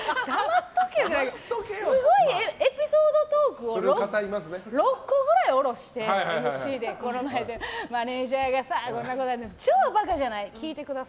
すごいエピソードトークを６個くらいおろして、ＭＣの前でマネジャーがこんなことで超バカでさ。